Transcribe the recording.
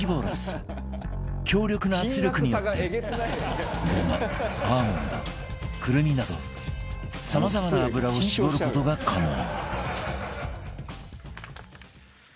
強力な圧力によってゴマアーモンドクルミなどさまざまな油を搾る事が可能